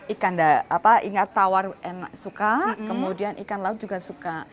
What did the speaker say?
ikan ingat tawar enak suka kemudian ikan laut juga suka